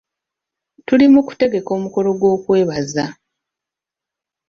Tuli mu kutegeka omukolo gw'okwebaza.